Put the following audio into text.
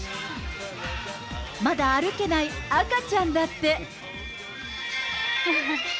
まだ歩けない赤ちゃんだって。